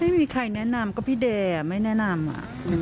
ไม่มีใครแนะนำก็พี่เดย์ไม่แนะนำอะ